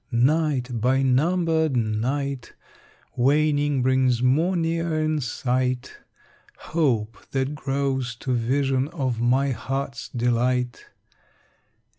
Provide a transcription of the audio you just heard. Night by numbered night, Waning, brings more near in sight Hope that grows to vision of my heart's delight.